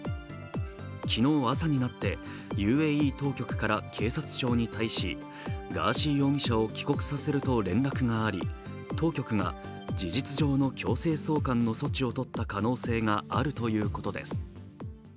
昨日朝になって、ＵＡＥ当局から警察庁に対し、ガーシー容疑者を帰国させると連絡があり当局が事実上の強制送還の措置を取った可能性があるということです。